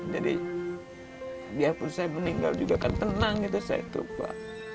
jadi biarpun saya meninggal juga kan tenang gitu saya terupa